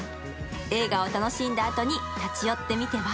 映画を楽しんだあとに立ち寄ってみては？